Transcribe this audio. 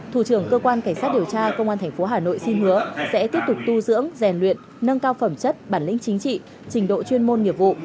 thủ trưởng cơ quan cảnh sát điều tra công an tp hà nội xin hứa sẽ tiếp tục tu dưỡng rèn luyện nâng cao phẩm chất bản lĩnh chính trị trình độ chuyên môn nghiệp vụ